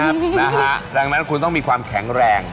ดังนั้นคุณต้องมีความแข็งแรง